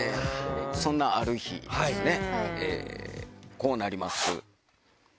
そんなある日ですね、こうなります。